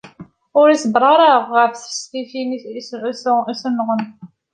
Ur iṣebber ara ɣef tesfifin isunɣen.